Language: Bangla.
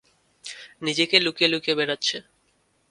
নিজেকে লুকিয়ে লুকিয়ে বেড়াচ্ছে।